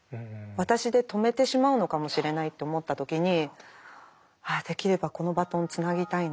私で止めてしまうのかもしれないと思った時にできればこのバトンをつなぎたいなって。